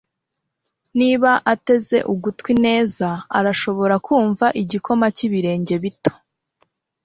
niba ateze ugutwi neza arashobora kumva igikoma cyibirenge bito